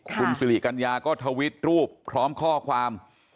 คุณสิริกัญญาก็ทวิตรูปพร้อมข้อความ